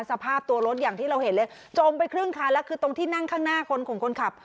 สภาพตัวรถอย่างที่เราเห็นเลยจมไปครึ่งคันแล้วคือตรงที่นั่งข้างหน้าคนของคนขับ